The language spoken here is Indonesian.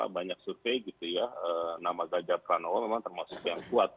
maksudnya yang kuat